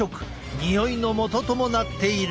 においのもとともなっている。